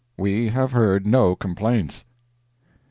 We have heard no complaints."